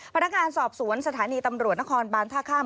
พนักงานสอบสวนสถานีตำรวจนครบานท่าข้าม